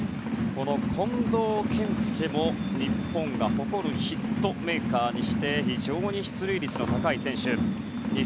この近藤健介も日本が誇るヒットメーカーにして非常に出塁率の高い選手。